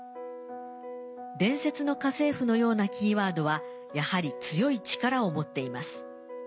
『伝説の家政婦』のようなキーワードはやはり強い力を持っています。